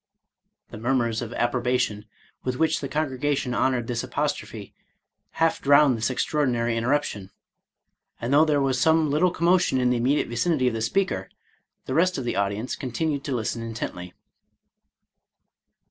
The murmurs of approbation with which the congregation honored this apostrophe half drowned this extraordinary interruption; and though there was some little commotion in the immedi ate vicinity of the speaker, the rest of the audience continued to listen intently.